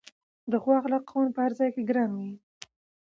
د ښو اخلاقو خاوند په هر ځای کې ګران وي.